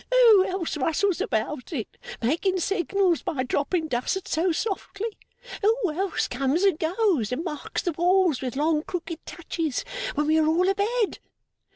Who else rustles about it, making signals by dropping dust so softly? Who else comes and goes, and marks the walls with long crooked touches when we are all a bed?